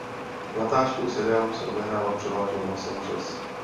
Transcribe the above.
Natáčení seriálu se odehrává převážně v Los Angeles.